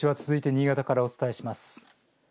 続いて新潟からお伝えします。